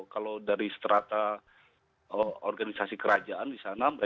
kalau dari seterata organisasi kerajaan di sana